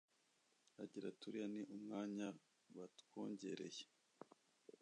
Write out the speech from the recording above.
agira ati” uriya ni umwanya batwongereye